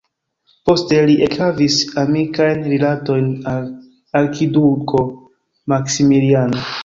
Poste li ekhavis amikajn rilatojn al arkiduko Maksimiliano.